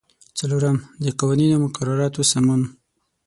څلورم: د قوانینو او مقرراتو سمون.